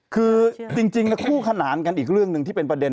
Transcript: คือจริงคู่ขนานกันอีกเรื่องหนึ่งที่เป็นประเด็น